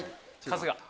春日。